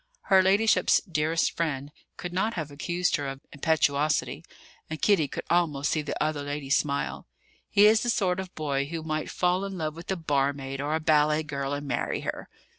Her ladyship's "dearest friend" could not have accused her of impetuosity; and Kitty could almost see the other lady smile. "He is the sort of boy who might fall in love with a barmaid or a ballet girl and marry her."